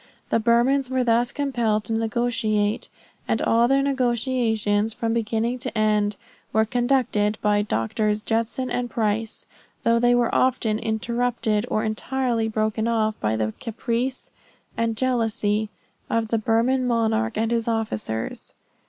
The Burmans were thus compelled to negotiate, and all their negotiations from beginning to end, "were conducted by Drs. Judson and Price, though they were often interrupted or entirely broken off by the caprice and jealousy of the Burman monarch and his officers."